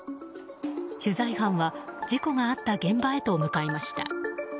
取材班は事故があった現場へと向かいました。